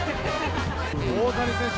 大谷選手